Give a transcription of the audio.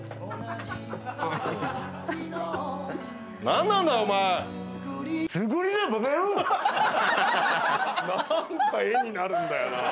何か絵になるんだよなぁ。